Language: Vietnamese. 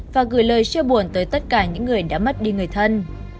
và gửi lời chia buồn tới tất cả những người đã mất đi người thân